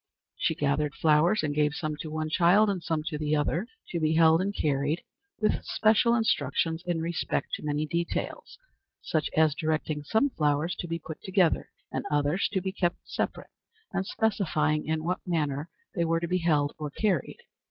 She gathered flowers, and gave some to one child, and some to the other, to be held and carried with special instructions in respect to many details, such as directing some flowers to be put together, and others to be kept separate, and specifying in what manner they were to be held or carried.